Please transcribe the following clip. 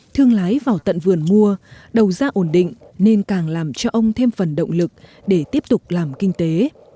thương lái vào tận vườn mua đầu ra ổn định nên càng làm cho ông thêm phần động lực để tiếp tục làm kinh tế